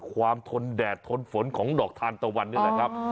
ทนแดดทนฝนของดอกทานตะวันนี่แหละครับ